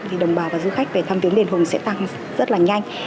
thì đồng bào và du khách về thăm tiếng đền hùng sẽ tăng rất là nhanh